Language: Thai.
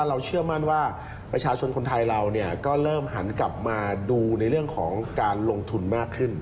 เชื่อมั่นว่าประชาชนคนไทยเราก็เริ่มหันกลับมาดูในเรื่องของการลงทุนมากขึ้น